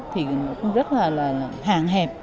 thì cũng rất là hạn hẹp